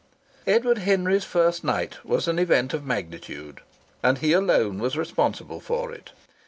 Edward Henry's first night was an event of magnitude. And he alone was responsible for it.